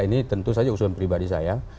ini tentu saja usulan pribadi saya